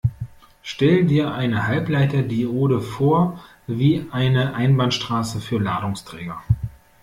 Stell dir eine Halbleiter-Diode vor wie eine Einbahnstraße für Ladungsträger.